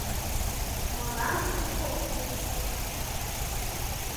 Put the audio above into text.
Мылам шуко ок кӱл».